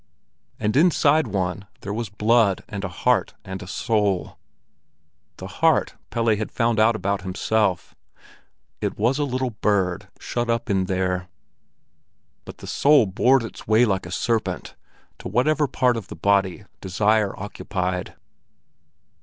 And inside one there was blood and a heart and a soul. The heart Pelle had found out about himself; it was a little bird shut up in there. But the soul bored its way like a serpent to whatever part of the body desire occupied.